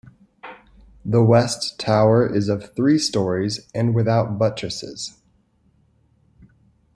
The west tower is of three storeys and without buttresses.